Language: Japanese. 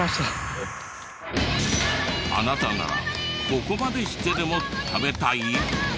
あなたならここまでしてでも食べたい？